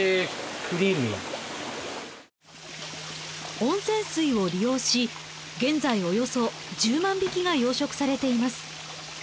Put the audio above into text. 温泉水を利用し現在およそ１０万匹が養殖されています。